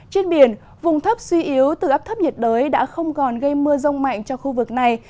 trên biển vùng thấp suy yếu từ áp thấp nhiệt đới đã không còn gây mưa rông mạnh cho khu vực này